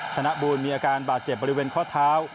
ธนบูรณมีอาการบาดเจ็บบริเวณข้อเท้า